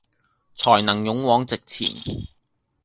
才能勇往直前